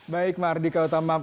baik mardika utama